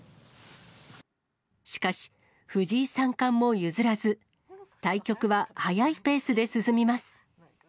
しかし、藤井三冠も譲らず、対局は速いペースで進みます。